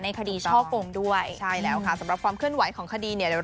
ในคดีช่อโกงด้วยใช่แล้วสำหรับความคลื่นไหวของคดี